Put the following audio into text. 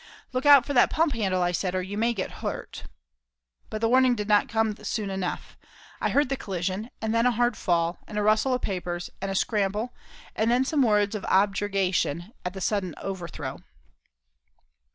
"Look out for that pump handle," I said, "or you may get hurt." But the warning did not come soon enough. I heard the collision and then a hard fall, and a rustle of papers, and a scramble, and then some words of objurgation at the sudden overthrow.